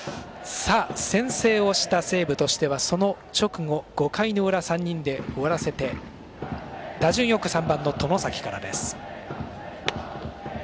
先制をした西武としてはその直後、５回の裏３人で終わらせて打順よく３番の外崎からです。